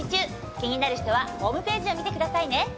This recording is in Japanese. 気になる人はホームページを見てくださいね。